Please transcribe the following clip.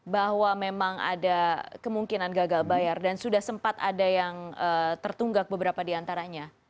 bahwa memang ada kemungkinan gagal bayar dan sudah sempat ada yang tertunggak beberapa di antaranya